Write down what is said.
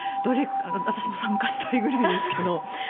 私も参加したいぐらいですけど。